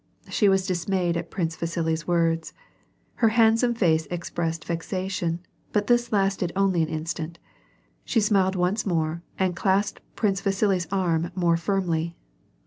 She was dismayed at Prince Vasili's words; her handsome face expressed vexation, but this lasted only an instant. She smiled once more and clasped Prince Vasili's arm more firmly.